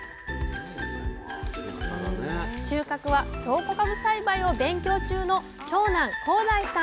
収穫は京こかぶ栽培を勉強中の長男耕大さん